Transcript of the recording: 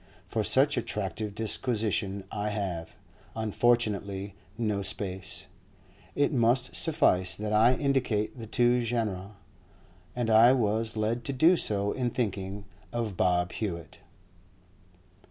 For such attractive disquisition I have, unfortunately, no space; it must suffice that I indicate the two genera. And I was led to do so in thinking of Bob Hewett.